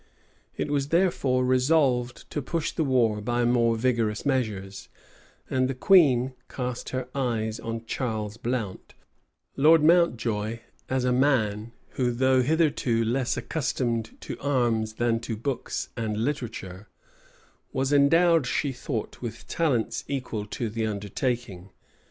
It was therefore resolved to push the war by more vigorous measures; and the queen cast her eye on Charles Blount, Lord Mountjoy, as a man, who, though hitherto less accustomed to arms than to books and literature, was endowed, she thought, with talents equal to the undertaking.